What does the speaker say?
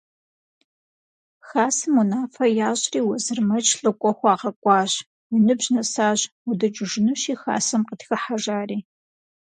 Хасэм унафэ ящӏри, Уэзырмэдж лӏыкӏуэ хуагъэкӏуащ: – Уи ныбжь нэсащ, удукӏыжынущи, хасэм къытхыхьэ, – жари.